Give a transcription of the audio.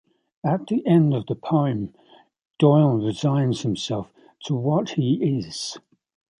At the end of the poem, Doyle resigns himself to what he is.